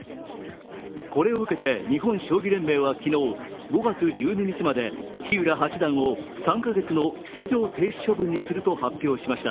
これを受けて日本将棋連盟は昨日、５月１２日まで日浦八段を３か月の出場停止処分にすると発表しました。